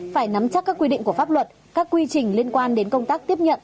phải nắm chắc các quy định của pháp luật các quy trình liên quan đến công tác tiếp nhận